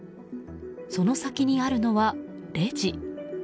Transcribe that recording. その先にあるのはレジ。